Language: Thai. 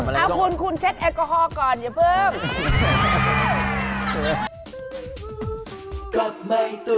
เอาคุณคุณเช็ดแอลกอฮอล์ก่อนอย่าเพิ่ม